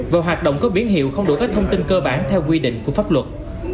và hoạt động có biến hiệu không đủ các thông tin cơ bản theo quy định của pháp luật